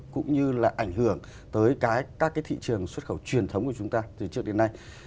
cũng như là ảnh hưởng tới các cái thị trường xuất khẩu truyền thống của chúng ta từ trước đến nay